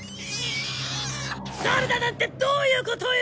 サルだなんてどういうことよ！